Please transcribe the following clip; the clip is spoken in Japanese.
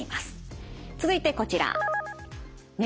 続いてこちら。